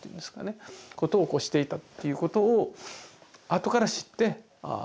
ことをしていたっていうことをあとから知ってああ